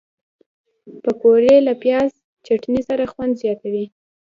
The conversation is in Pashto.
پکورې له پیاز چټني سره خوند زیاتوي